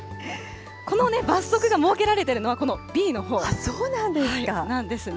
この罰則が設けられているのは、そうなんですね。